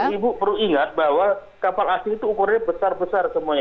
ibu perlu ingat bahwa kapal asing itu ukurannya besar besar semuanya